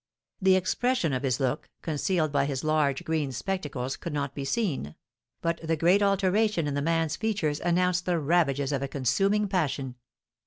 The expression of his look, concealed by his large green spectacles, could not be seen; but the great alteration in the man's features announced the ravages of a consuming passion.